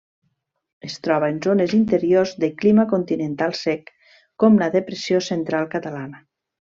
Es troba en zones interiors de clima continental sec com la Depressió Central catalana.